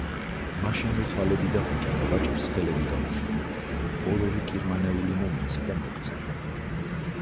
მაშინვე თვალები დახუჭა და ვაჭარს ხელები გაუშვირა: ორ-ორი კირმანეული მომეცი და მოგცემო!